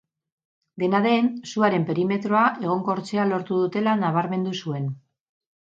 Dena den, suaren perimetroa egonkortzea lortu dutela nabarmendu zuen.